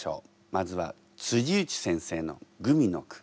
まずは内先生のグミの句。